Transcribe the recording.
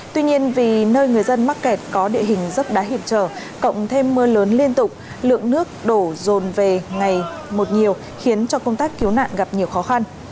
tuy nhiên vì nơi người dân mắc kẹt có địa hình dốc đá hiểm trở cộng thêm mưa lớn liên tục lượng nước đổ rồn về ngày một nhiều khiến cho công tác cứu nạn gặp nhiều khó khăn